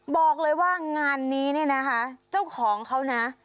บอกเลยว่างานนี้เนี่ยนะคะเจ้าของเขานะ